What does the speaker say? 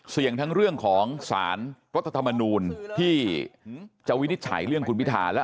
เสี่ยงทั้งเรื่องของศาลพัฒนธรรมนูลที่จะวินิจฉายเรื่องคุณพิธา